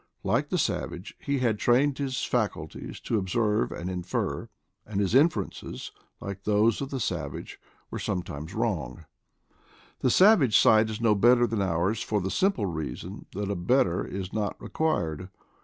Like the savage, he had trained his faculties to observe and infer, and his inferences, like those of the savage, were some times wrong. The savage sight is no better than ours for the simple reason that a better is not required.